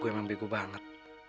gue emang begu banget